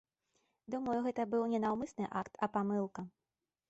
Думаю, гэта быў не наўмысны акт, а памылка.